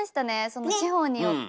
その地方によって。